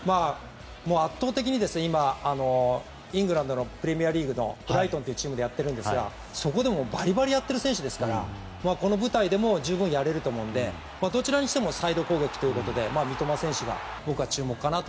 圧倒的に今イングランドのプレミアリーグのブライトンというチームでやってますからそこでもバリバリやってる選手ですからこの舞台でも十分やれると思うのでどちらにしてもサイド攻撃ということで三笘選手が僕は注目かなと。